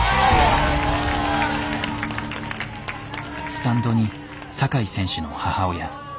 スタンドに酒井選手の母親。